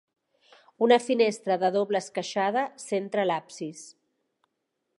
Una finestra de doble esqueixada centra l'absis.